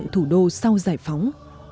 thủ đô sau giải phóng